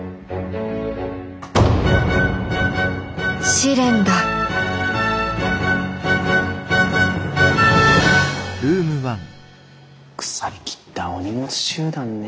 試練だ腐りきったお荷物集団ね。